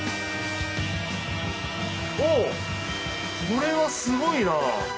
これはすごいな。